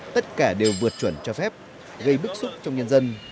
tất cả đều vượt chuẩn cho phép gây bức xúc trong nhân dân